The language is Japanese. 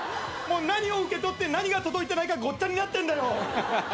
何を受け取って何が届いてないかごっちゃになってんだよ。